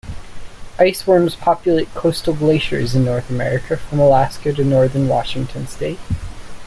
Ice worms populate coastal glaciers in North America from Alaska to northern Washington state.